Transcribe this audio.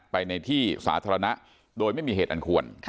ในที่สาธารณะโดยไม่มีเหตุอันควร